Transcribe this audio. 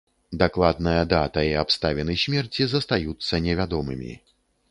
Дакладная дата і абставіны смерці застаюцца невядомымі.